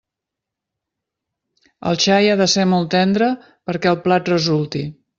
El xai ha de ser molt tendre perquè el plat resulti.